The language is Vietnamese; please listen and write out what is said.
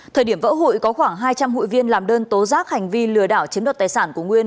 thời điểm vỡ hội có khoảng hai trăm linh hụi viên làm đơn tố giác hành vi lừa đảo chiếm đoạt tài sản của nguyên